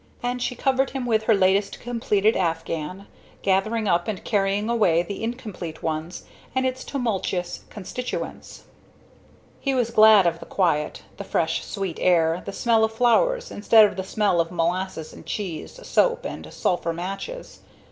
And she covered him with her latest completed afghan, gathering up and carrying away the incomplete one and its tumultuous constituents. He was glad of the quiet, the fresh, sweet air, the smell of flowers instead of the smell of molasses and cheese, soap and sulphur matches.